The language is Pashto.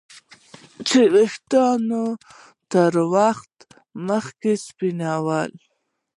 چې د ویښتانو تر وخته مخکې سپینوالی